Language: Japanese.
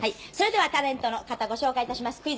それではタレントの方ご紹介致します。